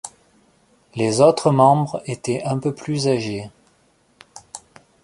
Les autres membres étaient un peu plus âgés.